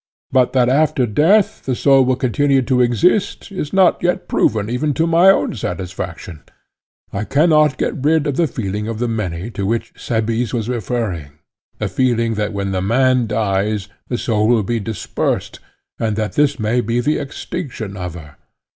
But that after death the soul will continue to exist is not yet proven even to my own satisfaction. I cannot get rid of the feeling of the many to which Cebes was referring—the feeling that when the man dies the soul will be dispersed, and that this may be the extinction of her.